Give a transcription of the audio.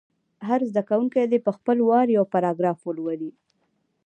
هر زده کوونکی دې په خپل وار یو پاراګراف ولولي.